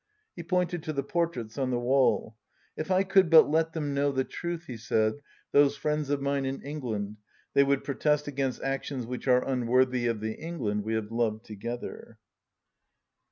He pointed to the portraits on the wall. "If I could ■but let them know the truth," he said, "those friends of mine in England, they would protest against actions which are unworthy of the Eng land we have loved together."